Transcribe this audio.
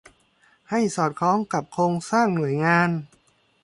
ให้สอดคล้องกับโครงสร้างหน่วยงาน